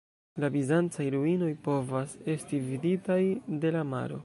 La bizancaj ruinoj povas esti viditaj de la maro.